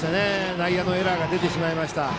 内野のエラーが出てしまいました。